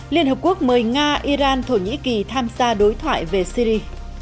liên hợp quốc mời nga iran thổ nhĩ kỳ tham gia đối thoại về syri